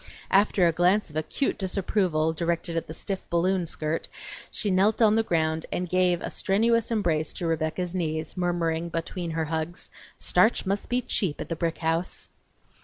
After a glance of acute disapproval directed at the stiff balloon skirt she knelt on the ground and gave a strenuous embrace to Rebecca's knees, murmuring, between her hugs, "Starch must be cheap at the brick house!"